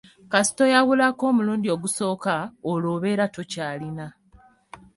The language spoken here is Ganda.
Kasita oyawulako omulundi ogusooka, olwo obeera tokyalina.